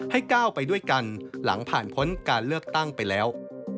ก้าวไปด้วยกันหลังผ่านพ้นการเลือกตั้งไปแล้ว